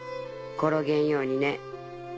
転げんようにね。